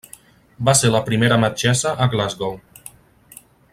Va ser la primera metgessa a Glasgow.